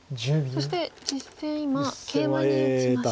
そして実戦今ケイマに打ちました。